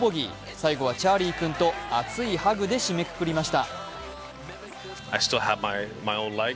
最後はチャーリー君と熱いハグで締めくくりました。